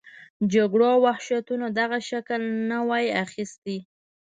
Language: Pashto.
جګړو او وحشتونو دغه شکل نه وای اخیستی.